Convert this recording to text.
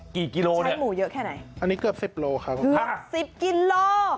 กี่กิโลเนี่ยใช้หมูเยอะแค่ไหนคือ๑๐กิโล